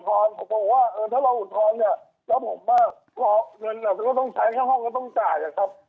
เขาบอกว่าถ้าเราอุทธรณ์เนี่ยพอเงินก็ต้องใช้แค่ห้องก็ต้องจ่าย